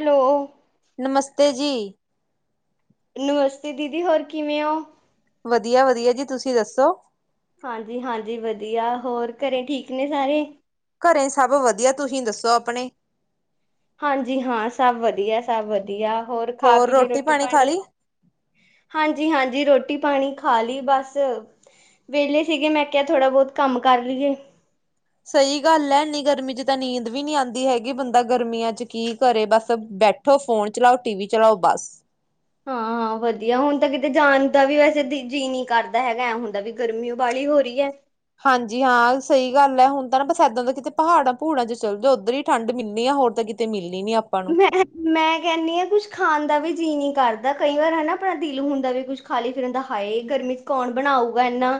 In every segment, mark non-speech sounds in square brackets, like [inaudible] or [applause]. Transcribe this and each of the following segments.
Hello. ਨਮਸਤੇ ਜੀ। ਨਮਸਤੇ ਦੀਦੀ, ਹੋਰ ਕਿਵੇਂ ਓ? ਵਧੀਆ ਵਧੀਆ ਜੀ, ਤੁਸੀਂ ਦੱਸੋ? ਹਾਂਜੀ-ਹਾਂਜੀ, ਵਧੀਆ ਹੋਰ ਘਰੇ ਠੀਕ ਨੇ ਸਾਰੇ? ਘਰੇ ਸਭ ਵਧੀਆ, ਤੁਸੀਂ ਦੱਸੋ ਆਪਣੇ? ਹਾਂਜੀ ਹਾਂ ਸਭ ਵਧੀਆ, ਸਭ ਵਧੀਆ ਹੋਰ ਖਾ ਪੀ ਲਈ ਰੋਟੀ ਪਾਣੀ ਹਾਂਜੀ ਹਾਂਜੀ ਰੋਟੀ ਪਾਣੀ ਖਾ ਲਈ ਬਸ ਵਿਹਲੇ ਸੀਗੇ ਮੈਂ ਕਿਹਾ ਥੋੜ੍ਹਾ ਬਹੁਤ ਕੰਮ ਕਰ ਲਈਏ। ਸਹੀ ਗੱਲ ਹੈ ਇਨੀ ਗਰਮੀ ਚ ਤਾਂ ਨੀਂਦ ਵੀ ਨਹੀਂ ਆਉਂਦੀ ਹੈਗੀ ਬੰਦਾ ਗਰਮੀਆਂ ਚ ਕੀ ਕਰੇ ਬਸ ਬੈ ਉੱਠੋ ਫੋਨ ਚਲਾਓ ਟੀ ਵੀ ਚਲਾਓ ਬਸ [unintelligible] ਹਾਂ-ਹਾਂ ਵਧੀਆ ਹੁਣ ਤਾਂ ਕਿਤੇ ਜਾਣ ਦਾ ਵੀ ਵੈਸੇ ਤ ਜੀਅ ਨਹੀਂ ਕਰਦਾ ਹੈਗਾ, ਐਂ ਹੁੰਦਾ ਵੀ ਗਰਮੀ ਉਹ ਵਾਲੀ ਹੋ ਰਹੀ ਹੈ। ਹਾਂਜੀ ਹਾਂ ਸਹੀ ਗੱਲ ਹੈ, ਹੁਣ ਤਾਂ ਨਾ ਬਸ ਇਦਾਂ ਹੁੰਦਾ ਕਿਤੇ ਪਹਾੜਾਂ ਪਹੁੜਾ ਚ ਚੱਲ ਜਾ ਉੱਧਰ ਹੀ ਠੰਢ ਮਿਲਣੀ ਆ, ਹੋਰ ਤਾਂ ਕਿਤੇ ਮਿਲਣੀ ਨੀ ਆਪਾਂ ਨੂੰ। ਮੈਂ, ਮੈਂ ਕਹਿੰਦੀ ਐ ਕੁਛ ਖਾਣ ਦਾ ਵੀ ਜੀਅ ਨੀ ਕਰਦਾ ਕਈ ਵਾਰ ਹਨਾ ਆਪਣਾ ਦਿਲ ਹੁੰਦਾ ਵੀ ਕੁਛ ਖਾਲੀ ਫਿਰਨ ਦਾ ਹਾਏ ਗਰਮੀ ਚ ਕੌਣ ਬਣਾਊਗਾ ਇਹਨਾ।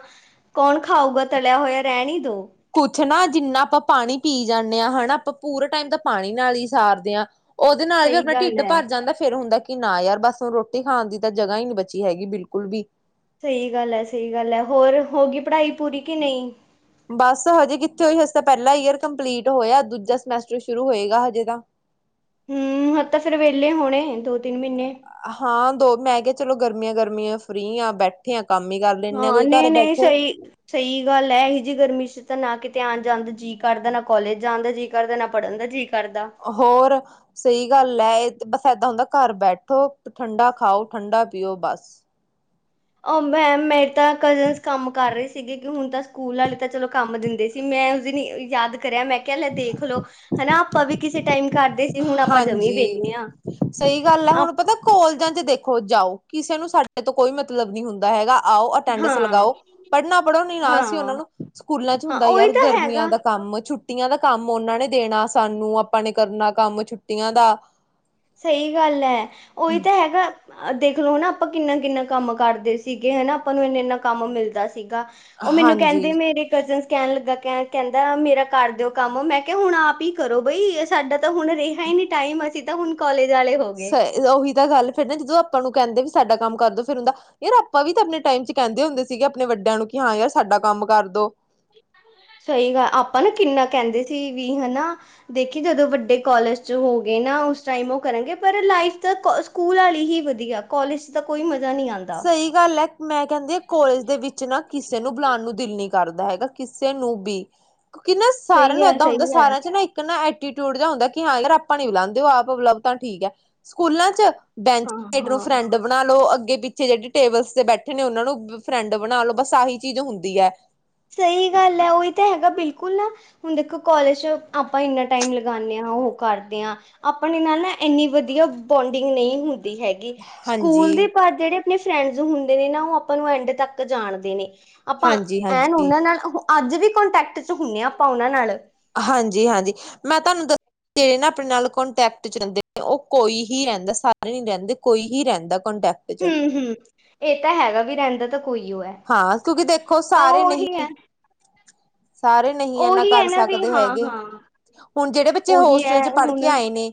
ਕੌਣ ਖਾਊਗਾ ਤਲਿਆ ਹੋਇਆ ਰਹਿਨ ਈ ਦੋ। ਕੁਛ ਨਾ ਜਿੰਨਾ ਆਪਾਂ ਪਾਣੀ ਪੀ ਜਾਂਦੇ ਹਾਂ ਹਨਾ, ਆਪਾਂ ਪੂਰੇ ਟਾਈਮ ਦਾ ਪਾਣੀ ਨਾਲ ਹੀ ਸਾਰਦੇ ਹਾਂ। ਉਹਦੇ ਨਾਲ ਵੀ ਸਹੀ ਆਪਣਾ ਗੱਲ ਢਿੱਡ ਹੈ ਭਰ ਜਾਂਦਾ ਫੇ ਫੇਰ ਹੁੰਦਾ ਕਿ ਨਾ ਯਾਰ, ਬਸ ਹੁਣ ਰੋਟੀ ਖਾਣ ਦੀ ਤਾਂ ਜਗ੍ਹਾ ਹੀ ਨਹੀਂ ਬਚੀ ਹੈਗੀ ਬਿਲਕੁਲ ਵੀ। ਸਹੀ ਗੱਲ ਹੈ, ਸਹੀ ਗੱਲ ਹੈ ਹੋਰ ਹੋ ਗਈ ਪੜ੍ਹਾਈ ਪੂਰੀ ਕਿ ਨਹੀਂ। ਬਸ ਹਜੇ ਕਿੱਥੇ ਹੋਈ ਹਜ ਤਾਂ ਪਹਿਲਾ ਈਅਰ ਕੰਪਲੀਟ ਹੋਇਆ, ਦੂਜਾ ਸਮੈਸਟਰ ਸ਼ੁਰੂ ਹੋਏਗਾ ਹਜੇ ਤਾਂ। ਹੂੰ, ਹੁਣ ਤਾਂ ਫਿਰ ਵਿਹਲੇ ਹੋਣੇ ਦੋ ਤਿੰਨ ਮਹੀਨੇ। ਹਾਂ ਦੋ ਮੈਂ ਕਿਹਾ ਚਲੋ ਗਰਮੀਆਂ-ਗਰਮੀਆਂ ਫਰੀ ਆ ਬੈਠ ਇੱਠੇ ਕੰਮ ਹੀ ਕਰ ਲੈਂਨੇ ਆ ਹਾਂ ਕੋਈ ਘਰ ਨਹੀਂ ਨਹੀਂ ਬੈਠੋ। ਸਹੀ ਸਹੀ ਗੱਲ ਹੈ ਏਹੀ ਜੀ ਗਰਮੀ ਚ ਤਾਂ ਨਾ ਕਿਤੇ ਆਉਣ ਜਾਂਦਾ ਜੀਅ ਕਰਦਾ, ਨਾ ਕੋਲੇਜ ਜਾਂਣਦਾ ਜੀ ਕਰਦਾ ਨਾ, ਪੜਨ ਦਾ ਜੀਅ ਕਰਦਾ। ਹੋਰ ਸਹੀ ਗੱਲ ਐ, ਇਹ ਬਸ ਏਦਾਂ ਹੁੰਦਾ ਘਰ ਬੈਠੋ, ਠੰਡਾ ਖਾਓ, ਠੰਡਾ ਪੀਓ, ਬਸ ਉਹ ਮੈ ਮੇਰੇ ਤਾਂ ਕਜ਼ਨਸ ਕੰਮ ਕਰ ਰਹੇ ਸੀਗੇ, ਕਿ ਹੁਣ ਤਾਂ ਸਕੂਲ ਆਲੇ ਤਾਂ ਚਲੋ ਕੰਮ ਦਿੰਦੇ ਸੀ। ਮੈਂ ਉਸ ਦਿਨ ਯਾਦ ਕਰਿਆ, ਮੈਂ ਕਿਹਾ ਲੈ ਦੇਖਲੋ ਹਨਾ ਆਪਾਂ ਵੀ ਕਿਸੇ ਟਾਈਮ ਕਰਦੇ ਸੀ, ਹੁਣ ਆਪਾਂ ਜਮੀ ਹਾਂਜੀ ਵੇਹਲੇ ਆਂ, ਸਹੀ ਗੱਲ ਹੈ ਆਪ ਹੁਣ ਪਤਾ ਕੋਲਜਾਂ ਚ ਦੇਖੋ, ਜਾਓ ਕਿਸੇ ਨੂੰ ਸਾਡੇ ਤੋਂ ਕੋਈ ਮਤਲਬ ਨੀ ਹੁੰਦਾ ਹੈਗਾ, ਆਓ ਅਟੈਂਡਸ ਹਾਂ ਲਗਾਓ। ਪੜ੍ਹਨਾ ਪੜ੍ਹੋ ਨਹੀ ਨਾ ਸੀ ਉਹਨਾਂ ਹਾਂ ਨੂੰ, ਸਕੂਲਾਂ ਚ ਹਾਂ ਹੁੰਦਾ ਉਹੀ ਯਾਰ ਤਾਂ ਗਰਮੀਆਂ ਹੈਗਾ ਦਾ ਕੰਮ ਛੁੱ ਛੁੱਟੀਆਂ ਦਾ ਕੰਮ ਉਹਨਾਂ ਨੇ ਦੇਣਾ ਸਾਨੂੰ, ਆਪਾਂ ਨੇ ਕਰਨਾ ਕੰਮ ਛੁੱਟੀਆਂ ਦਾ। ਸਹੀ ਗੱਲ ਐ, ਉਹੀ ਤਾਂ ਹੈਗਾ। ਦੇਖਲੋ ਹਨਾ ਆਪਾਂ ਕਿੰਨਾ-ਕਿੰਨਾ ਕੰਮ ਕਰਦੇ ਸੀਗੇ ਹਨਾ, ਆਪਾਂ ਨੂੰ ਇੰਨਾ-ਇੰਨਾ ਕੰਮ ਮਿਲਦਾ ਸੀਗਾ। ਉਹ ਮੈਨੂੰ ਹਾਂਜੀ ਕਹਿੰਦੇ, ਮੇਰੇ ਕਜ਼ਨਸ ਕਹਿਣ ਲੱਗਾ ਕਹਿ ਕਹਿੰਦਾ ਮੇਰਾ ਕਰ ਦਿਓ ਕੰਮ, ਮੈਂ ਕਿਹਾ ਹੁਣ ਆਪ ਹੀ ਕਰੋ ਬਈ, ਸਾਡਾ ਤਾਂ ਹੁਣ ਰਿਹਾ ਹੀ ਨੀ। ਟਾਈਮ, ਅਸੀਂ ਤਾਂ ਹੁਣ ਕੋਲਜ ਆਲੇ ਹੋ ਸ ਗਏ। ਉਹੀ ਤਾਂ ਗੱਲ ਫੇਰ ਨਾ, ਜਦੋਂ ਆਪਾਂ ਨੂੰ ਕਹਿੰਦੇ ਵੀ ਸਾਡਾ ਕੰਮ ਕਰ ਦੋ, ਫਿਰ ਉਹਦਾ ਯਾਰ ਆਪਾਂ ਵੀ ਤਾਂ ਆਪਣੇ ਟਾਈਮ ਚ ਕਹਿੰਦੇ ਹੁੰਦੇ ਸੀਗੇ ਆਪਣੇ ਵੱਡਿਆਂ ਨੂੰ, ਕਿ ਹਾਂ ਯਾਰ ਸਾਡਾ ਕੰਮ ਕਰਦੋ। ਸਹੀ ਗੱਲ, ਆਪਾਂ ਨਾ ਕਿੰਨਾ ਕਹਿੰਦੇ ਸੀ ਵੀ ਹਨਾ। ਦੇਖੀ ਜਦੋਂ ਵੱਡੇ ਕੋਲਜ ਚ ਹੋ ਗਏ ਨਾ, ਉਸ ਟਾਈਮ ਉਹ ਕਰਨਗੇ, ਪਰ ਲਾਈਫ ਦਾ ਸਕੂਲ ਆਲੀ ਹੀ ਵਧੀਆ, ਕੋਲਜ ਚ ਤਾਂ ਕੋਈ ਮਜ਼ਾ ਨੀ ਆਂਦਾ। ਸਹੀ ਗੱਲ ਐ, ਮੈਂ ਕਹਿੰਦੀ ਆ, ਕੋਲੇਜ ਦੇ ਵਿੱਚ ਨਾ ਕਿਸੇ ਨੂੰ ਬੁਲਾਣ ਨੂੰ ਦਿਲ ਨੀ ਕਰਦਾ ਹੈਗਾ ਕਿਸੇ ਨੂੰ ਵੀ, ਕਿਉਂਕਿ ਨਾ ਸਾਰਿਆਂ ਸਹੀ ਨੂੰ ਹੈ ਏਦਾਂ ਹੁੰਦਾ ਸਹੀ ਹੈ ਸਾਰਿਆਂ ਚ ਨਾ ਕਹਿੰਦਾ ਐਟੀਟਿਊਡ ਜਾ ਹੁੰਦਾ, ਕਿ ਹਾਂ ਯਾਰ ਆਪਾਂ ਨੀ ਬੁਲਾਂਦੇ, ਉਹ ਆਪ ਬਲਾਵੇ ਤਾਂ ਠੀਕ ਐ। ਸਕੂਲਾਂ ਚ ਬੈਂਚ ਹਾਂ ਸਾਈਡ ਨੂੰ ਹਾਂ ਫਰੈਂਡ ਬਣਾ ਲੋ, ਅੱਗੇ-ਪਿੱ ਪਿੱਛੇ ਜਿਹੜੇ ਟੇਬਲਸ ਤੇ ਬੈਠੇ ਨੇ, ਉਹਨਾਂ ਨੂੰ ਫਰੈਂਡ ਬਣਾ ਲੋ, ਬਸ ਆਹੀ ਚੀਜ਼ ਹੁੰਦੀ ਐ। ਸਹੀ ਗੱਲ ਐ, ਉਹੀ ਤਾਂ ਹੈਗਾ ਬਿਲਕੁਲ ਨਾ। ਹੁਣ ਦੇਖੋ ਕੋਲਜ ਚ ਆਪਾਂ ਇੰਨਾ ਟਾਈਮ ਲਗਾਣੇ ਆਂ, ਉਹੋ ਕਰਦੇ ਆਂ। ਆਪਣੇ ਨਾਲ ਨਾ ਇੰਨੀ ਵਧੀਆ ਬੌਂਡਿੰਗ ਨਹੀਂ ਹੁੰਦੀ ਹੈਗੀ। ਕੀ ਹਾਂਜੀ ਸਕੂਲ ਦੇ ਪਰ ਜਿਹੜੇ ਆਪਣੇ ਫਰੈਂਡਸ ਹੁੰਦੇ ਨੇ ਨਾ, ਉਹ ਆਪਾਂ ਨੂੰ ਐਂਡ ਤੱਕ ਜਾਣਦੇ ਨੇ। ਹਾਂਜੀ-ਹਾਂਜੀ। ਤੇ ਉਹਨਾਂ ਨਾਲ ਅੱਜ ਵੀ ਕੋਂਟੈਕਟ ਚ ਹੁੰਨੇ ਆਂ, ਆਪਾਂ ਉਹਨਾਂ ਨਾਲ। ਹਾਂਜੀ-ਹਾਂਜੀ, ਮੈਂ ਤੁਹਾਨੂੰ ਦ ਜਿਹੜੇ ਨਾ ਆਪਣੇ ਨਾਲ ਕੋਂਟੈਕਟ ਵਿਚ ਰਹਿੰਦੇ ਨੇ, ਉਹ ਕੋਈ ਹੀ ਰਹਿੰਦਾ ਸਾਰੇ ਨੀ ਰਹਿੰਦੇ, ਕੋਈ ਹੀ ਰਹਿੰਦਾ ਕੋਂਟੈਕਟ ਚ ਹੂੰ-ਹੂੰ ਇਹ ਤਾਂ ਹੈਗਾ ਵੀ, ਰਹਿੰਦਾ ਤਾਂ ਕੋਈ ਓ ਐ। ਹਾਂ‌‌, ਤੁਸੀਂ ਦੇਖੋ ਸਾਰੇ ਨਹੀਂ ਸਾਰੇ ਨਹੀਂ ਏਨਾ ਉਹੀ ਕਰ ਹੈ ਨਾ ਵੀ ਸਕਦੇ ਹਾਂ ਹੈਗੇ। ਹਾਂ ਹੁਣ ਜਿਹੜੇ ਬੱਚੇ ਉਹੀ ਹੋਸਟਲ ਹੈ ਚ ਪੜ੍ਹ ਹੁਣ ਕੇ ਆਏ ਨੇ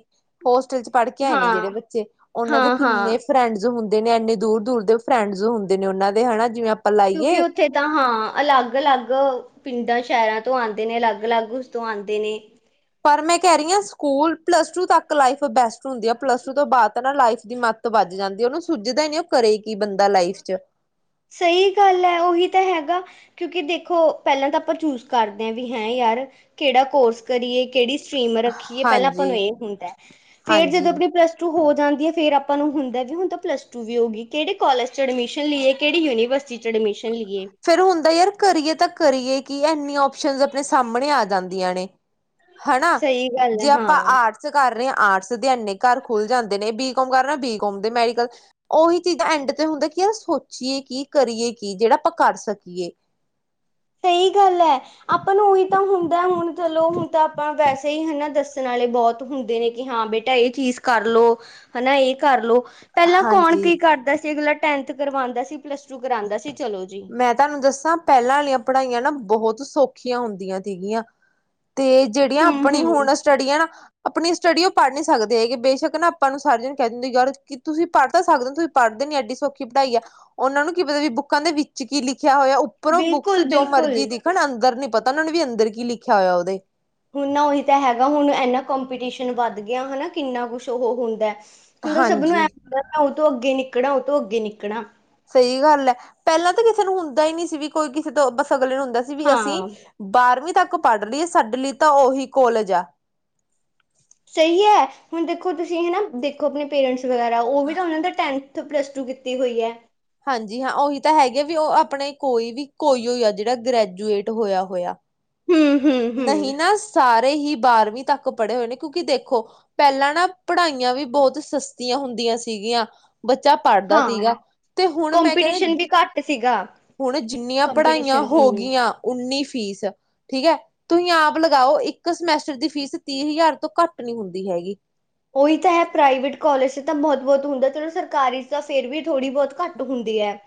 ਹੋਸਟਲ ਚ ਪੜ੍ਹ ਕੇ ਆਏ ਨੇ ਹਾਂ ਜਿਹੜੇ ਬੱਚੇ, ਉਹਨਾਂ ਦੇ ਹਾਂ ਹਾਂ ਕਿੰਨੇ ਫਰੈਂਡਸ ਹੁੰਦੇ ਨੇ, ਐਨੇ ਦੂਰ- ਦੂਰ ਦੇ ਫਰੈਂਡਸ ਹੁੰਦੇ ਨੇ ਉਹਨਾਂ ਦੇ ਹਨਾ, ਜਿਵੇਂ ਆਪਾਂ ਕਿਉਂਕਿ ਲਾਈਏ ਉਹ ਇੱਥੇ ਤਾਂ ਹਾਂ, ਅਲੱਗ-ਅਲੱਗ ਪਿੰਡਾਂ, ਸ਼ਹਿਰਾਂ ਤੋਂ ਆਂਦੇ ਨੇ, ਅਲੱਗ-ਅਲੱਗ ਉਸ ਤੋਂ ਆਂਦੇ ਨੇ। ਪਰ ਮੈਂ ਕਹਿ ਰਹੀ ਹਾਂ, ਸਕੂਲ ਪਲੱਸ ਟੂ ਤੱਕ ਲਾਈਫ ਬੈਸਟ ਹੁੰਦੀ ਐ, ਪਲੱਸ ਟੂ ਤੋਂ ਬਾਅਦ ਤਾਂ ਨਾ ਲਾਈਫ ਦੀ ਮ ਤੋਂ ਵੱਜ ਜਾਂਦੀ ਐ, ਉਹਨੂੰ ਸੁੱਜਦਾ ਹੀ ਨੀ ਉਹ ਕਰੇ ਕੀ ਬੰਦਾ ਲਾਈਫ ਚ। ਸਹੀ ਗੱਲ ਐ, ਉਹੀ ਤਾਂ ਹੈਗਾ। ਕਿਉਂਕਿ ਦੇਖੋ ਪਹਿਲਾਂ ਤਾਂ ਆਪਾਂ ਚੂਜ ਕਰਦੇ ਹਾਂ ਵੀ, ਹੈਂ ਯਾਰ ਕਿਹੜਾ ਕੋਰਸ ਕਰੀਏ, ਕਿਹੜੀ ਸਟਰੀਮ ਰੱਖੀਏ ਪਹਿਲਾਂ ਆਪਾਂ ਨੂੰ ਹਾਂਜੀ ਇਹ ਹੁੰਦਾ, ਫੇਰ ਹਾਂਜੀ ਜਦੋਂ ਆਪਣੀ ਪਲੱਸ ਟੂ ਹੋ ਜਾਂਦੀ ਏ, ਫੇਰ ਆਪਾਂ ਨੂੰ ਹੁੰਦਾ ਵੀ ਹੁਣ ਤਾਂ ਪਲੱਸ ਟੂ ਵੀ ਹੋ ਗੀ, ਕਿਹੜੇ ਕੋਲਜ ਚ ਐਡਮਿਸ਼ਨ ਲਈਏ, ਕਿਹੜੀ ਯੂਨੀਵਰਸਿਟੀ ਚ ਐਡਮਿਸ਼ਨ ਲਈਏ। ਫੇਰ ਹੁੰਦਾ ਯਾਰ ਕਰੀਏ ਤਾਂ ਕਰੀਏ, ਕਿ ਐਨੀਆਂ ਔਪਸ਼ਨਜ਼ ਆਪਣੇ ਸਾਹਮਣੇ ਆ ਜਾਂਦੀਆਂ ਨੇ। ਹਨਾ, ਸਹੀ ਗੱਲ ਜੇ ਹੈ ਆਪਾਂ ਹਾਂ ਆਰਟਸ ਕਰ ਰਹੇ ਆਂ ਆਰਟਸ ਤੇ ਐਨੇ ਘਰ ਖੁੱਲ ਜਾਂਦੇ ਨੇ, ਬੀਕੋਮ ਕਰ ਰਹੇ ਨਾ ਬੀਕ ਘੁੰਮਦੇ ਮੈਡੀਕਲਸ, ਉਹੀ ਚੀਜ਼ਾਂ ਐਂਡ ਤੇ ਹੁੰਦਾ ਕਿਆ ਸੋਚੀਏ ਕੀ, ਕਰੀਏ ਕੀ? ਜਿਹੜਾ ਕਰ ਸਕੀਏ, ਅਪ ਸਹੀ, ਗੱਲ ਐ। ਆਪਾਂ ਨੂੰ ਉਹੀ ਤਾਂ ਹੁੰਦਾ ਹੁਣ ਚਲੋ, ਹੁਣ ਤਾਂ ਆਪਾਂ ਵੈਸੇ ਹੀ ਹਨਾ, ਦੱਸਣ ਵਾਲੇ ਬਹੁਤ ਹੁੰਦੇ ਨੇ ਕਿ ਹਾਂ ਬੇਟੇ ਇਹ ਚੀਜ਼ ਕਰਲੋ, ਹੈਨਾ ਇਹ ਕਰਲੋ। ਪਹਿਲਾਂ ਕੌਣ ਹਾਂਜੀ ਕੀ ਕਰਦਾ ਸੀ? ਅਗਲਾ ਟੈਂਨਥ ਕਰਵਾਉਂਦਾ ਸੀ‌‌‌‌‌, ਪਲੱਸ ਟੂ ਕਰਾਉਂਦਾ ਸੀ, ਚਲੋ ਜੀ। ਮੈਂ ਤੁਹਾਨੂੰ ਦੱਸਾਂ, ਪਹਿਲਾਂ ਵਾਲੀਆਂ ਪੜ੍ਹਾਈਆਂ ਨਾ ਬਹੁਤ ਸੌਖੀਆਂ ਹੁੰਦੀਆਂ ਸੀਗੀਆਂ। ਤੇ, ਜਿਹੜੀਆਂ ਹੂੰ ਆਪਣੀ ਹੂੰ ਹੁਣ ਸਟਡੀਆਂ ਆਪਣੀ ਸਟੱਡੀ ਉਹ ਪੜ੍ਹ ਨਹੀਂ ਸਕਦੇ, ਯੇ ਬੇਸ਼ੱਕ ਨਾ ਆਪਾਂ ਨੂੰ ਸਾਰੇ ਜਣੇਕਹਿੰਦੇ ਯਾਰ ਕਿ ਤੁਸੀਂ ਪੜ੍ਹ ਤਾਂ ਸਕਦੇ ਹੋ ਤੁਸੀਂ ਪੜ੍ਹਦੇ ਨੇ, ਐਡੀ ਸੌਖੀ ਪੜ੍ਹਾਈ ਹੈ ਉਹਨਾ ਨੂੰ ਕੀ ਪਤਾ ਵੀ? ਬੁੱਕਾਂ ਦੇ ਵਿੱਚ ਕੀ ਲਿਖਿਆ ਹੋਇਆ ਅਉ ਪਰ, ਉਹ ਬੁੱਕਸ ਬਿਲਕੁਲ ਜੋ ਬਿਲਕੁਲ ਮਰਜੀੀ ਦਿਖਣ ਅੰਦਰ ਨੀ ਪਤਾ ਉਹਨਾਂ ਨੇ ਵੀ ਅੰਦਰ ਕੀ ਲਿਖਿਆ ਹੋਇਆ ਉਹਦੇ। ਹੁਣ, ਨਾ ਉਹੀ ਤਾਂ ਹੈਗਾ। ਹੁਣ ਇਨਾ ਕੰਪੀਟੀਸ਼ਨ ਵੱਧ ਗਿਆ ਹੈਨਾ, ਕਿੰਨਾ ਕੁਛ ਉਹ ਹੁੰਦਾ। ਹੁੰਣਦਾ ਸਭ ਨੂੰ, ਐ ਹਾਂਜੀ ਲਗਦਾ ਉਤੋਂ ਅੱਗੇ ਨਿਕਣਾ ਉਤੋਂ ਅਗੇ ਨਿਕਣਾ। ਸਹੀ ਗੱਲ ਹੈ‌, ਪਹਿਲਾਂ ਤਾਂ ਕਿਸੇ ਨੂੰ ਹੁੰਦਾ ਹੀ ਨੀ ਸੀ, ਕੀ ਕੋਈ ਕਿਸੇ ਤੋਂ ਬਸ ਅਗਲੇ ਨੂੰ ਹੁੰਦਾ ਸੀ ਕੀ ਅਸੀ ਹਾਂ ਬਾਰਵੀਂ ਤੱਕ ਪੜ੍ਹ ਰੀ, ਸਾਡੇ ਲਈ ਤਾਂ ਔਹੀ ਕੋਲਜ ਆ। ਸਹੀ ਹੈ, ਹੁਣ ਦੇਖੋ ਤੁਸੀਂ ਹੈ ਨਾ ਦੇਖੋ, ਆਪਣੇ ਪੇਰੈਂਟਸ ਵਗੈਰਾ ਉਹ ਵੀ ਤਾਂ ਉਹਨਾਂ ਦਾ ਟੇਮ ਤੁ ਪਲੱਸ ਟੂ ਕੀਤੀ ਹੋਈ ਹੈ। ਹਾਂਜੀ ਹਾਂ, ਉਹੀ ਤਾਂ ਹੈਗੇ ਵੀ ਉਹ ਆਪਣੇ ਕੋਈ ਵੀ ਕੋਈ ਅਜ, ਅਜ ਦਾ ਗ੍ਰੈਜੂਏਟ ਹੋਇਆ ਹੋਇਆ। ਹੂੰ ਹੂੰ ਨਹੀਂ ਹੂੰ ਨਾ, ਸਾਰੇ ਹੀ ਬਾਰਵੀਂ ਤੱਕ ਪੜ੍ਹੇ ਹੋਏ ਨੇ ਕਿਉਂ ਕੀ ਦੇਖੋ। ਪਹਿਲਾਂ ਨਾ, ਪੜ੍ਹਾਈਆਂ ਵੀ ਬਹੁਤ ਸਸਤੀਆਂ ਹੁੰਦੀਆਂ ਸੀਗੀਆਂ। ਬੱਚਾ ਪੜ੍ਹਦਾ ਹਾਂ ਸੀਗਾ, ਤੇ ਹੁਣ ਮੈਂ ਕਹਿਆ ਸੀ ਗਾ। ਹੁਣ, ਜਿੰਨੀਆਂ ਪੜ੍ਹਾਈਆਂ ਹੋ ਗਈਆਂ ਉਨੀ ਫੀਸ। ਠੀਕ ਹੈ‌ ‌‌‌, ਤੁਸੀਂ ਆਪ ਲਗਾਓ ਇੱਕ ਸਮੈਸਟਰ ਦੀ ਫੀਸ ਤੀਹ ਹਜ਼ਾਰ ਤੋਂ ਘੱਟ ਨੀ ਹੁੰਦੀ ਹੈਗੀ। ਔਹੀ ਤਾਂ ਹੈ ‌‌‌‍‍‌‌‌‍, ਪ੍ਰਾਈਵੇਟ ਕਾਲਜ ਤਾਂ ਬਹੁਤ ਬਹੁਤ ਹੁੰਦੇ, ਸਰਕਾਰੀ ਤੇ ਫੇਰ ਵੀ ਥੋੜੀ ਬਹੁਤ ਘੱਟ ਹੁੰਦੀ ਹੈ।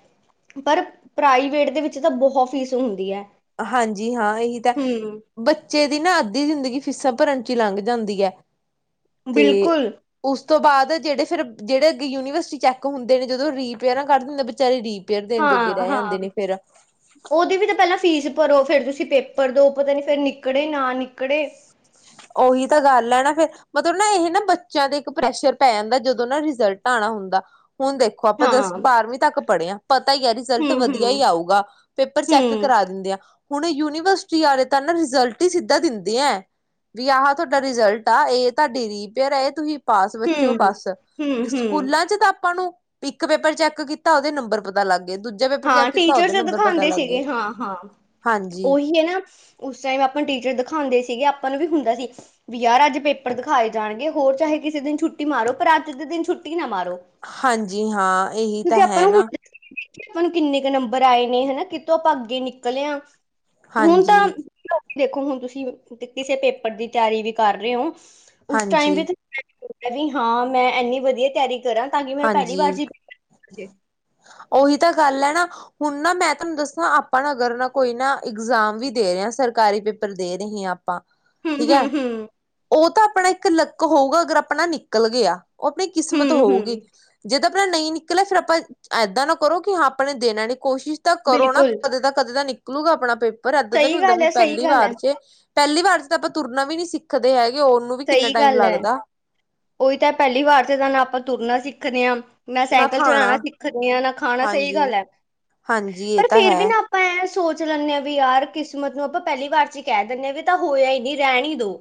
ਪਰ, ਪ੍ਰਾਈਵੇਟ ਦੇ ਵਿੱਚ ਤਾਂ ਬਹੁਤ ਫੀਸ ਹੁੰਦੀ ਹੈ। ਹਾਂਜੀ, ਹਾਂ ਇਹੀ ਤਾਂ ਹੂੰ ਬੱਚੇ ਦੀ ਨਾ ਅੱਧੀ ਜ਼ਿੰਦਗੀ ਫੀਸਾਂ ਭਰਨ ਚ ਹੀ ਲੰਘ ਜਾਂਦੀ ਹੈ, ਤੇ ਬਿਲਕੁਲ ਉਸ ਤੋਂ ਬਾਅਦ ਜਿਹੜੇ ਫਿਰ ਜਿਹੜੇ ਅੱਗੇ ਯੂਨੀਵਰਸਿਟੀ ਚੈੱਕ ਹੁੰਦੇ ਨੇ ਜਦੋਂ ਰੀਪੇਅਰਾਂ ਕੱਢ ਦਿੰਦੇ ਨੇ, ਵਿਚਾਰੇ ਦੀ। ਫਿਰ, ਦੇਣ ਜੋਗੇ ਹਾਂ ਰਹਿ ਹਾਂ ਜਾਂਦੇ ਨੇ ਫਿਰ। ਉਹਦੀ ਵੀ ਤਾਂ ਪਹਿਲਾਂ ਫ਼ੀਸ ਭਰੋ, ਫੇਰ ਤੁਸੀਂ ਪੇਪਰ ਦੋ, ਪਤਾ ਨੀ ਫੇਰ ਨਿਕਲੇੇ ਨਾ ਨਿਕਲੇੇ। ਉਹੀ, ਤਾਂ ਗੱਲ ਹੈ ਨਾ ਫੇਰ। ਮਤਲਬ ਨਾ, ਇਹ ਨਾ ਬੱਚਿਆਂ ਦੇ ਇੱਕ ਪ੍ਰੈਸ਼ਰ ਪੈ ਜਾਂਦਾ ਜਦੋਂ ਨਾ ਰਿਜਲਟ ਆਉਣਾ ਹੁੰਦਾ, ਹੁਣ ਦੇਖ ਆਪਾਂ, ਹਾਂ ਦਸ ਬਾਰਵੀਂ ਤੱਕ ਪੜੇ ਆ। ਪਤਾ ਹੀ ਹੈ, ਰਿਜ਼ਲਟ ਹੂੰ ਵਧੀਆ ਹੀ ਹੂੰ ਆਊਗਾ ਪੇਪਰ ਚੈੱਕ ਹੂੰ ਕਰਾ ਦਿੰਦੇ ਆ। ਹੁਣ, ਯੂਨੀਵਰਸਿਟੀ ਵਾਲੇ ਤਾਂ ਰਿਜਲਟ ਹੀ ਸਿੱਧਾ ਦਿੰਦੇ ਐ। ਰਿ, ਆਹ ਤਾ ਰਿਜ਼ਲਟ ਆ, ਇਹ ਤਾਡੀ ਰੀ ਪੇ ਹੇ ਤੁਸੀਂ ਪਾਸ ਬੱਚਿਓ, ਹੂੰ, ਬੱਸ‌। ਹੂੰ, ਹੂੰ, ‌ਸਕੂਲਾਂ ਚ ਤਾਂ ਆਪਾਂ ਨੂੰ--‌ ਇੱਕ ਪੇਪਰ ਚੈੱਕ ਕੀਤਾ, ਉਹਦੇ ਨੰਬਰ ਪਤਾ ਲੱਗ ਗਏ ਦੂਜ ਹਾਂ, ਟੀਚਰ ਤਾਂ ਸਿਖਾਂਦੇ ਸੀਗੇ ਹਾਂ, ਹਾਂ ਹਾਂਜੀ ਔਹੀ ਹੈ ਨਾ। ਉਸ ਟਾਈਮ ਆਪਾਂ ਨੂੰ ਟੀਚਰ ਦਿਖਾਉਂਦੇ ਸੀਗੇ, ਆਪਾਂ ਨੂੰ ਵੀ ਹੁੰਦਾ ਸੀ। ਯਾਰ, ਅਜ ਪੇਪਰ ਦਿਖਾਏ ਜਾਣਗੇ ਹੋਰ ਚਾਹੇ ਕਿਸੇ ਦਿਨ ਛੁੱਟੀ ਮਾਰੋ, ਪਰ ਅੱਜ ਦੇ ਦਿਨ ਛੁੱਟੀ ਨਾ ਮਾਰੋ। ਹਾਂਜੀ, ਹਾਂ ਏਹੀ ਤਾਂ ਹੈ ਨਾ। ਹੁਣ ਕਿੰਨੇ ਕੇ ਨੰਬਰ ਆਏ ਨੇ, ਹੱਨਾ ਕਿਤੋਂ ਭਗਕੈ ਨਿਕਲੇ ਆਂ ਹੁਣ ਹਾਂਜੀ ਤਾਂ ਕਿਉਂ ਕੀ ਦੇਖੋ, ਹੁਣ ਤੁਸੀਂ ਕਿਸੇ ਪੇਪਰ ਦੀ ਤਿਆਰੀ ਵੀ ਕਰ ਰਹੇ ਹੋ ਉਸ ਟਾਈਮ ਹਾਂਜੀ ਵਿੱਚ ਕਹਿਂਦੀ, ਹਾਂ ਮੈਂ ਇੰਨੀ ਵਧੀਆ ਤਿਆਰੀ ਕਰਾਂ। ਤਾਂ ਕਿ ਮੇਰਾ ਪਹਿਲੀ ਹਾਂਜੀ, ਵਾਰ 'ਚ ਔਹੀ ਤਾਂ ਗੱਲ ਹੈ ਨਾ। ਹੁਣ ਨਾ, ਮੈਂ ਤੁਹਾਨੂੰ ਦੱਸਾਂ ਆਪਾਂ ਨਾ ਅਗਰ ਨਾ ਕੋਈ ਨਾ ਇਗਜ਼ਾਮ ਵੀ ਦੇ ਰਹੇ ਹ, ਸਰਕਾਰੀ ਪੇਪਰ ਦੇ ਰਹੇ ਹਾਂ। ਆਪਾਂ ਹੂੰ, ਠੀਕ ਹੈ, ਹੂੰ, ਹੂੰ। ਉਹ ਤਾਂ ਆਪਣਾ ਇੱਕ ਲੱਕ ਹੋਊਗਾ, ਅਗਰ ਆਪਣਾ ਨਿਕਲ ਗਿਆ। ਓ ਆਪਣੀ ਕਿਸਮਤ ਹੋਊਗੀ। ਹੂੰ-ਹੂੰ, ਜੇ ਤਾਂ ਆਪਣਾ ਨਹੀਂ ਨਿਕਲਿਆ ਫਿਰ ਆਪਾਂ ਏਦਾਂ ਨਾ ਕਰੋ ਕਿ ਹਾਂ ਆਪਾਂ ਨੇ ਦੇਣਾ ਨਹੀਂ ਕੋਸ਼ਿਸ਼ ਤਾਂ ਕਰੋ ਨਾ ਬਿਲਕੁਲ ਕਦੇ ਤਾਂ ਕਦੇ ਤਾਂ ਨਿਕਲੂਗਾ ਆਪਣਾ ਪੇਪਰ ਏਦਾਂ ਤਾਂ ਨੀ ਸਹੀ ਹੁੰਦਾ ਗੱਲ ਵੀ ਐ, ਸਹੀ ਪਹਿਲੀ ਗੱਲ ਐ, ਵਾਰ 'ਚ ਪਹਿਲੀ ਵਾਰ 'ਚ ਤਾਂ ਆਪਾਂ ਤੁਰਨਾ ਵੀ ਨੀ ਸਿੱਖਦੇ ਹੈਗੇ ਉਹਨੂੰ ਵੀ ਕਿੰਨਾ ਸਹੀ ਟਾਈਮ ਗੱਲ ਐ। ਲੱਗਦਾ। ਉਹੀ ਤਾਂ ਪਹਿਲੀ ਵਾਰ 'ਚ ਤੇ ਨਾ ਆਪਾਂ ਤੁਰਨਾ ਸਿੱਖਦੇ ਹਾਂ। ਨਾ ਸਾਈਕਲ ਚਲਾਣਾ ਸਿੱਖਦੇ ਆ ਨਾ ਖਾਣਾ ਸਹੀ ਹਾਂਜੀ ਗੱਲ ਹੈ ਹਾਂਜੀ ਇਹ ਪਰ ਤਾਂ ਫੇਰ ਵੀ ਹੈ ਨਾ ਐਂ ਸੋਚ ਲੈਂਦੇ ਹਾਂ ਵੀ ਯਾਰ ਕਿਸਮਤ ਨੂੰ ਆਪਾਂ ਪਹਿਲੀ ਵਾਰ 'ਚ ਹੀ ਕਹਿ ਦਿੰਦੇ ਹਾਂ ਵੀ ਤਾਂ ਹੋਇਆ ਹੀ ਨਹੀਂ ਰਹਿਣ ਹੀ ਦੋ।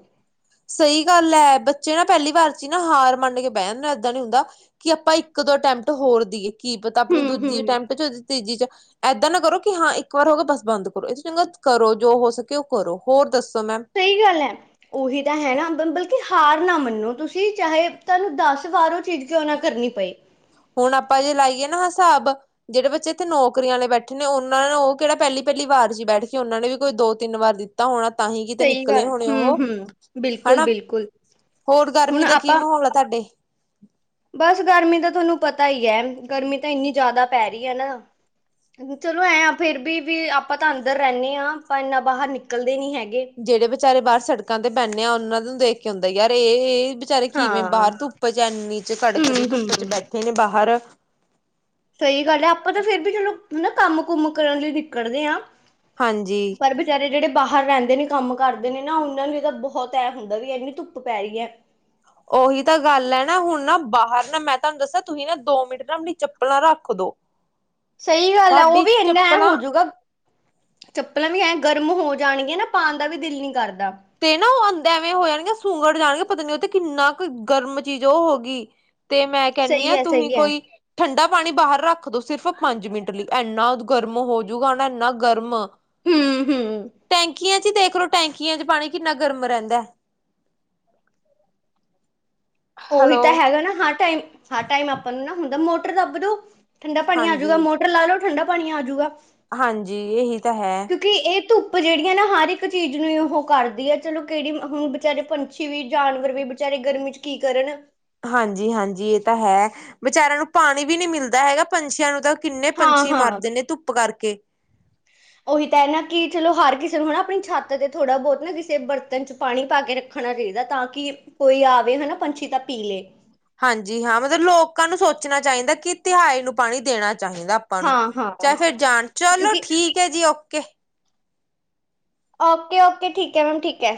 ਸਹੀ ਗੱਲ ਹੈ ਬੱਚੇ ਨਾ ਪਹਿਲੀ ਵਾਰ 'ਚ ਹੀ ਨਾ ਹਾਰ ਮੰਨ ਕੇ ਬਹਿ ਜਾਂਦਾ ਏਦਾਂ ਨੀ ਹੁੰਦਾ। ਕਿ ਆਪਾਂ ਇੱਕ ਦੋ ਅਟੈਪਟ ਹੋਰ ਦੀਈਏ ਕੀ ਪਤਾ ਆਪਣੀ ਦੂਜੀ ਹੂੰ-ਹੂੰ, ਅਟੈਪਟ 'ਚ ਤੀਜੀ 'ਚ ਏਦਾਂ ਨਾ ਕਰੋ ਕਿ ਹਾਂ ਇੱਕ ਵਾਰ ਹੋ ਗਿਆ ਬਸ ਬੰਦ ਕਰੋ ਇਹਤੋ ਚੰਗਾ ਕਰੋ ਜੋ ਹੋ ਸਕੇ ਉਹ ਕਰੋ ਹੋਰ ਦੱਸੋ ਮੈਮ ਸਹੀ ਗੱਲ ਹੈ ਉਹੀ ਤਾਂ ਹੈ ਨਾ ਬੰਬਲ ਕਿ ਹਾਰ ਨਾ ਮੰਨੋ ਤੁਸੀਂ ਚਾਹੇ ਤੁਹਾਨੂੰ ਦਸ ਵਾਰ ਉਹ ਚੀਜ਼ ਕਿਉਂ ਨਾ ਕਰਨੀ ਪਏ। ਹੁਣ ਆਪਾਂ ਜੇ ਲਾਈਏ ਨਾ ਹਿਸਾਬ ਜਿਹੜੇ ਬੱਚੇ ਇੱਥੇ ਨੌਕਰੀਆਂ ਲਈ ਬੈਠੇ ਨੇ ਉਹਨਾਂ ਨੇ ਉਹ ਕਿਹੜਾ ਪਹਿਲੀ -ਪਹਿਲੀ ਵਾਰ ਜੀ ਬੈਠ ਕੇ ਉਹਨਾਂ ਨੇ ਵੀ ਕੋਈ ਦੋ ਤਿੰਨ ਵਾਰ ਦਿੱਤੀ ਤਾਂ ਹੋਣਾ ਤਾਂਹੀ ਕਿਤੇ ਸਹੀ ਨਿਕਲੇ ਗੱਲ, ਹੋਣੇ ਉਹੋ ਹੂੰ-ਹੂੰ, ਹਨਾ। ਬਿਲਕੁਲ-ਬਿਲਕੁਲ। ਹੋਰ ਹੁਣ ਗਰਮੀ ਦਾ ਕੀ ਆਪਾਂ ਮਾਹੌਲ ਆ ਤੁਹਾਡੇ ਬਸ ਗਰਮੀ ਦਾ ਤੁਹਾਨੂੰ ਪਤਾ ਹੀ ਹੈ ਗਰਮੀ ਤਾਂ ਇੰਨੀ ਜ਼ਿਆਦਾ ਪੈ ਰਹੀ ਹੈ ਨਾ। ਚਲੋ ਐਂ ਆ ਫਿਰ ਵੀ ਵੀ ਆਪਾਂ ਤਾਂ ਅੰਦਰ ਰਹਿੰਦੇ ਹਾਂ ਆਪਾਂ ਇੰਨਾ ਬਾਹਰ ਨਿਕਲਦੇ ਨੀ ਹੈਗੇ। ਜਿਹੜੇ ਵਿਚਾਰੇ ਬਾਹਰ ਸੜਕਾਂ ਤੇ ਪੈਨੇ ਆ ਉਹਨਾਂ ਨੂੰ ਦੇਖ ਕੇ ਆਉਂਦਾ ਯਾਰ ਇਹ ਵਿਚਾਰੇ ਕਿਵੇਂ ਹਾਂ ਬਾਹਰ ਧੁੱਪ 'ਚ ਇੰਨੀ 'ਚ ਕੜਕਦੀ ਹੂੰ ਹੂੰ ਧੁੱਪ 'ਚ ਬੈਠੇ ਨੇ ਬਾਹਰ ਸਹੀ ਗੱਲ ਹੈ ਆਪਾਂ ਤਾਂ ਫੇਰ ਵੀ ਚਲੋ ਹਨਾ ਕੰਮ ਕੁਮ ਕਰਨ ਲਈ ਨਿਕਲਦੇ ਹਾਂ। ਹਾਂਜੀ ਪਰ ਵਿਚਾਰੇ ਜਿਹੜੇ ਬਾਹਰ ਰਹਿੰਦੇ ਨੇ ਕੰਮ ਕਰਦੇ ਨੇ ਨਾ ਉਹਨਾਂ ਨੂੰ ਇਹਦਾ ਬਹੁਤ ਇਹ ਹੁੰਦਾ ਵੀ ਇਹਨੀ ਧੁੱਪ ਪੈ ਰਹੀ ਹੈ। ਉਹੀ ਤਾਂ ਗੱਲ ਹੈ ਨਾ ਹੁਣ ਨਾ ਬਾਹਰ ਨਾ ਮੈਂ ਤੁਹਾਨੂੰ ਦੱਸਾਂ ਤੁਸੀਂ ਨਾ ਦੋ ਮਿੰਟ ਨਾ ਆਪਣੀ ਚੱਪਲਾਂ ਰੱਖ ਦੋ। [inaudible] ਸਹੀ ਗੱਲ ਹੈ ਉਹ ਸਾਡੀ ਵੀ ਇੰਨਾ ਐਂ ਚੱਪਲਾਂ ਹੋਜੂਗਾ। ਚੱਪਲਾਂ ਵੀ ਐਂ ਗਰਮ ਹੋ ਜਾਣਗੀਆਂ ਨਾ ਪਾਉਣ ਦਾ ਵੀ ਦਿਲ ਨਹੀਂ ਕਰਦਾ। ਤੇ ਨਾ ਉਹ ਐਵੇਂ ਹੋ ਜਾਣਗੇ ਸੁੰਗੜ ਜਾਣਗੇ ਪਤਾ ਨੀ ਉਹ ਤੇ ਕਿੰਨਾ ਕੁ ਗਰਮ ਚੀਜ਼ ਉਹ ਹੋ ਗਈ। ਤੇ ਮੈਂ ਕਹਿੰਣੀ ਸਹੀ ਹਾਂ ਹੈ ਤੁਹੀ ਸਹੀ ਹੈ ਕੋਈ ਠੰਡਾ ਪਾਣੀ ਬਾਹਰ ਰੱਖ ਦੋ ਸਿਰਫ ਪੰਜ ਮਿੰਟ ਲਈ ਇੰਨਾ ਗਰਮ ਹੋਜੂਗਾ ਨਾ ਇੰਨਾ ਗਰਮ ਹੂੰ-ਹੂੰ ਟੈਂਕੀਆਂ 'ਚ ਹੀ ਦੇਖ ਲੋ ਟੈਂਕੀਆਂ 'ਚ ਪਾਣੀ ਕਿੰਨਾ ਗਰਮ ਰਹਿੰਦਾ ਹੈ। ਉਹੀ ਹੈਲੋ ਤਾਂ ਹੈਗਾ ਨਾ ਹਰ ਟਾਈਮ ਹਰ ਟਾਈਮ ਆਪਾਂ ਨੂੰ ਨਾ ਹੁੰਦਾ ਮੋਟਰ ਦੱਬ ਦੋ। ਠੰਡਾ ਪਾਣੀ ਆਜੂ ਗਾ ਹਾਂਜੀ ਮੋਟਰ ਲਾ ਲਓ ਠੰਡਾ ਪਾਣੀ ਆਜੂਗਾ। ਹਾਂਜੀ ਇਹੀ ਤਾਂ ਹੈ। ਕਿਉਂਕਿ ਇਹ ਧੁੱਪ ਜਿਹੜੀ ਆ ਨਾ ਹਰ ਇੱਕ ਚੀਜ਼ ਨੂੰ ਉਹ ਕਰਦੀ ਹੈ ਚਲੋ ਕਿਹੜੀ ਹੁਣ ਵਿਚਾਰੇ ਵੀ ਜਾਨਵਰ ਵੀ ਵਿਚਾਰੇ ਗਰਮੀ 'ਚ ਕੀ ਕਰਨ ਹਾਂਜੀ -ਹਾਂਜੀ ਇਹ ਤਾਂ ਹੈ ਵਿਚਾਰਿਆਂ ਨੂੰ ਪਾਣੀ ਵੀ ਨਹੀਂ ਮਿਲਦਾ ਹੈਗਾ ਪੰਛੀਆਂ ਨੂੰ ਤਾਂ ਕਿੰਨੇ ਹਾਂ ਪੰਛੀ ਹਾਂ ਮਰਦੇ ਨੇ ਧੁੱਪ ਕਰਕੇ ਉਹੀ ਤਾਂ ਹੈ ਨਾ ਕਿ ਚਲੋ ਹਰ ਕਿਸੇ ਨੂੰ ਹਨਾ ਆਪਣੀ ਛੱਤ ਤੇ ਥੋੜ੍ਹਾ ਬਹੁਤ ਨਾ ਕਿਸੇ ਬਰਤਨ 'ਚ ਪਾਣੀ ਪਾ ਕੇ ਰੱਖਣਾ ਚਾਹੀਦਾ ਤਾਂ ਕਿ ਕੋਈ ਆਵੇ ਹਨਾ ਪੰਛੀ ਤਾਂ ਪੀ ਲਏ। ਹਾਂਜੀ ਹਾਂ ਮਤਲਬ ਲੋਕਾਂ ਨੂੰ ਸੋਚਣਾ ਚਾਹੀਦਾ ਕਿ ਤਿਹਾਏ ਨੂੰ ਪਾਣੀ ਦੇਣਾ ਚਾਹੀਦਾ। ਆਪਾਂ ਨੂੰ ਹਾਂ ਹਾਂ ਚਾਏ ਫਿਰ ਜਾਣ ਚਲੋ ਕਿਉਂਕਿ ਠੀਕ ਹੈ ਜੀ ਓਕੇ। ਓਕੇ-ਓਕੇ ਠੀਕ ਹੈ ਮੈਮ ਠੀਕ ਹੈ।